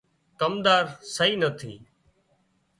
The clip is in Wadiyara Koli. ڪمۮار سئي نٿي